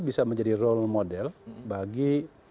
bisa menjadi role model bagi